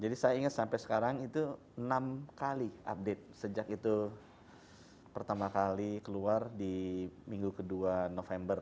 jadi saya ingat sampai sekarang itu enam kali update sejak itu pertama kali keluar di minggu kedua november